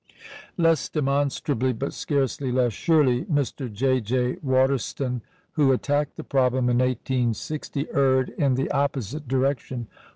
Less demonstrably, but scarcely less surely, Mr. J. J. Waterston, who attacked the problem in 1860, erred in the opposite direction.